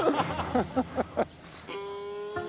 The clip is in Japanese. ハハハハ。